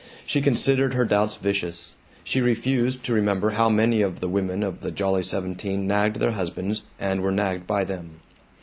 She considered her doubts vicious. She refused to remember how many of the women of the Jolly Seventeen nagged their husbands and were nagged by them.